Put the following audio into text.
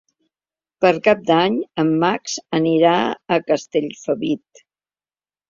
Per Cap d'Any en Max anirà a Castellfabib.